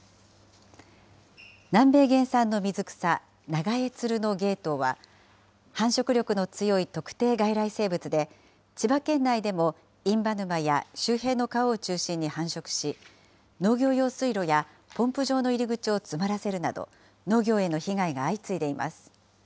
南米原産の水草、ナガエツルノゲイトウは、繁殖力の強い特定外来生物で、千葉県内でも印旛沼や周辺の川を中心に繁殖し、農業用水路やポンプ場の入り口を詰まらせるなど、農業への被害が相次いでいます。